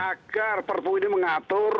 agar perpu ini mengatur